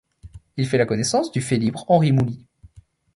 Il fait la connaissance du félibre Henri Mouly.